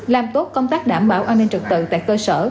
làm tốt công tác đảm bảo an ninh trực tự tại cơ sở